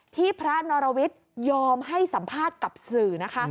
พระนรวิทยอมให้สัมภาษณ์กับสื่อนะคะ